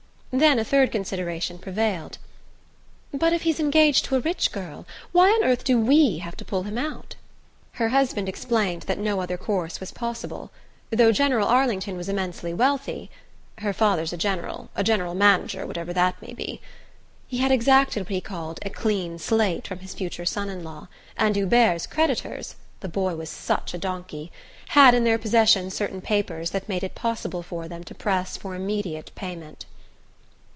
Then a third consideration prevailed. "But if he's engaged to a rich girl, why on earth do WE have to pull him out?" Her husband explained that no other course was possible. Though General Arlington was immensely wealthy, ("her father's a general a General Manager, whatever that may be,") he had exacted what he called "a clean slate" from his future son in law, and Hubert's creditors (the boy was such a donkey!) had in their possession certain papers that made it possible for them to press for immediate payment.